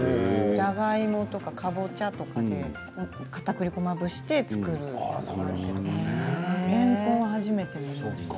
じゃがいもとか、かぼちゃとかかたくり粉をまぶして作るんですよね。